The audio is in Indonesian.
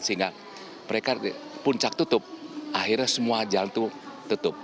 sehingga mereka puncak tutup akhirnya semua jalan itu tutup